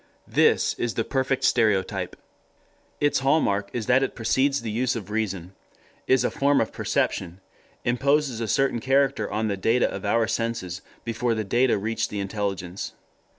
This is the perfect stereotype. Its hallmark is that it precedes the use of reason; is a form of perception, imposes a certain character on the data of our senses before the data reach the intelligence.